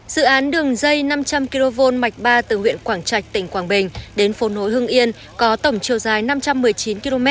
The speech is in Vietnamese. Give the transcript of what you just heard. dự án đường dây năm trăm linh kv mạch ba từ huyện quảng trạch tỉnh quảng bình đến phố nối hưng yên có tổng chiều dài năm trăm một mươi chín km